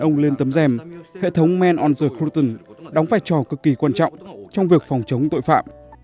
khi đàn ông lên tấm dèm hệ thống men on the curtain đóng vai trò cực kỳ quan trọng trong việc phòng chống tội phạm